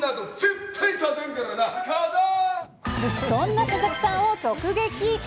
そんな佐々木さんを直撃。